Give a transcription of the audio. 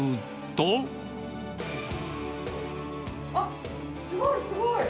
あっ、すごい、すごい。